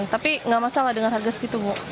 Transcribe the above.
tapi nggak masalah dengan harga segitu bu